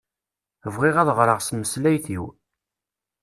Bɣiɣ ad ɣreɣ s tmeslayt-iw.